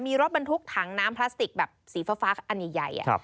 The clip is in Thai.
มีรถบรรทุกถังน้ำพลาสติกแบบสีฟ้าอันใหญ่